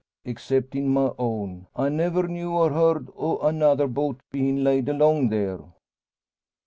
Exceptin' my own, I never knew or heard o' another boat bein' laid along there."